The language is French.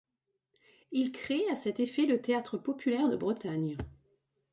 Il crée à cet effet le Théâtre populaire de Bretagne.